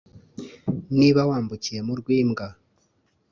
niba wambukiye mu rwimbwa